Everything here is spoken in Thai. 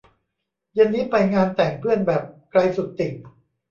เย็นนี้ไปงานแต่งเพื่อนแบบ ไกลสุดติ่ง